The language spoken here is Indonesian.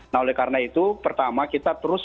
nah oleh karena itu pertama kita terus